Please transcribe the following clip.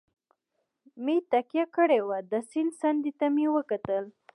مې تکیه کړې وه، د سیند څنډې ته مې وکتل.